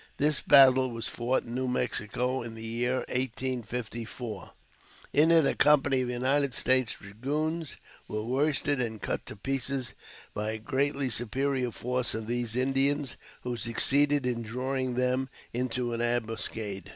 This battle was fought in New Mexico in the year 1854. In it, a company of United States dragoons were worsted and cut to pieces by a greatly superior force of these Indians who succeeded in drawing them into an ambuscade.